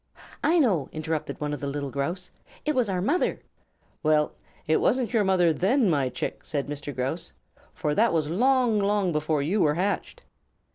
"I know!" interrupted one of the little Grouse. "It was our mother." "Well, it wasn't your mother then, my chick," said Mr. Grouse, "for that was long, long before you were hatched."